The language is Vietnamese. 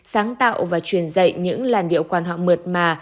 sáng tạo và truyền dạy những làn điệu quan họ mượt mà